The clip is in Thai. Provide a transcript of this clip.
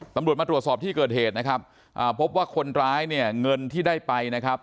ตำรวจมาตรวจสอบที่เกิดเหตุนะครับอ่าพบว่าคนร้ายเนี่ยเงินที่ได้ไปนะครับ